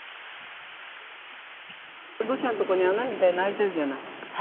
土砂の所に穴みたいの開いてるじゃない。